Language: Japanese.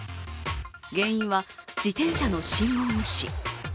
原因は自転車の信号無視。